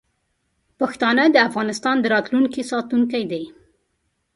پښتانه د افغانستان د راتلونکي ساتونکي دي.